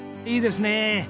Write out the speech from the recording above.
いいですね。